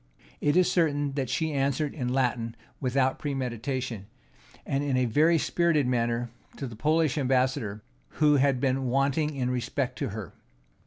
It is certain that she answered in Latin without premeditation, and in a very spirited manner, to the Polish ambassador, who had been wanting in respect to her.